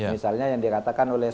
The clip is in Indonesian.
misalnya yang dikatakan oleh